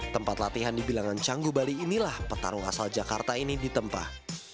tempat latihan dibilangan cangguh bali inilah petarung asal jakarta ini ditempah